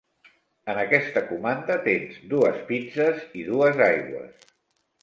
En aquesta comanda tens dues pizzes i dues aigües.